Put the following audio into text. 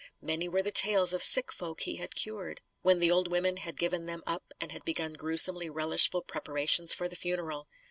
Many were the tales of sick folk he had cured; when the old women had given them up and had begun gruesomely relishful preparations for the funeral.